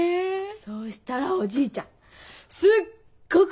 そしたらおじいちゃんすっごく怒ってね。